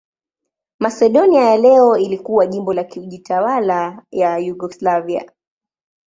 Masedonia ya leo ilikuwa jimbo la kujitawala la Yugoslavia.